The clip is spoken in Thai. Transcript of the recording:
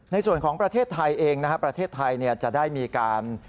ในส่วนของประเทศไทยเองนะครับประเทศไทยจะได้มีการ